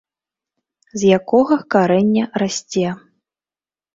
З якога карэння расце.